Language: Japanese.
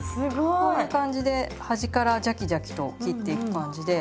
こういう感じで端からジャキジャキと切っていく感じで。